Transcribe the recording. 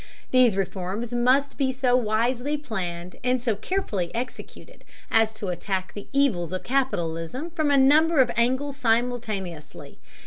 These reforms must be so wisely planned and so carefully executed as to attack the evils of capitalism from a number of angles simultaneously.